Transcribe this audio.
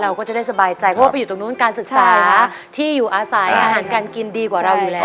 เราก็จะได้สบายใจเพราะว่าไปอยู่ตรงนู้นการศึกษาที่อยู่อาศัยอาหารการกินดีกว่าเราอยู่แล้ว